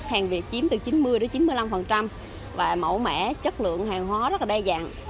hàng việt chiếm từ chín mươi đến chín mươi năm và mẫu mẻ chất lượng hàng hóa rất đa dạng